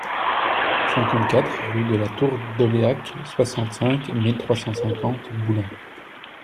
cinquante-quatre rue de la Tour d'Oléac, soixante-cinq mille trois cent cinquante Boulin